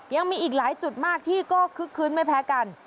ยังมีอีกหลายจุดมากที่ก็คึกคื้นไม่แพ้กัน